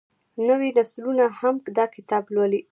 نوې نسلونه هم دا کتاب لولي.